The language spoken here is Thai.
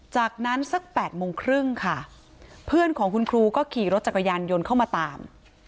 จากนั้นสัก๘โมงครึ่งค่ะเพื่อนของคุณครูก็ขี่รถจักรยานยนต์เข้ามาตาม